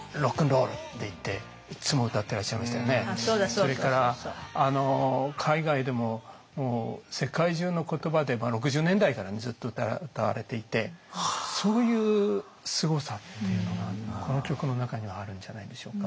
それから海外でも世界中の言葉で６０年代からねずっと歌われていてそういうすごさっていうのがこの曲の中にはあるんじゃないでしょうか。